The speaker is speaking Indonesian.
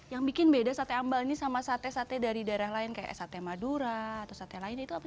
yang bikin beda sate ambal ini sama sate sate dari daerah lain kayak sate madura atau sate lainnya itu apa